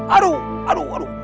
aduh aduh aduh